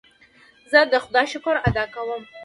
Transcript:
زه د خدای شکر ادا کوم.